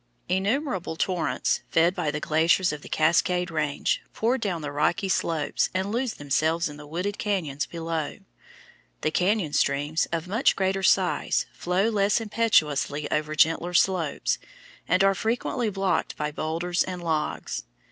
Innumerable torrents, fed by the glaciers of the Cascade Range, pour down the rocky slopes and lose themselves in the wooded cañons below. The cañon streams, of much greater size, flow less impetuously over gentler slopes, and are frequently blocked by boulders and logs.